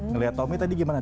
ngeliat tommy tadi gimana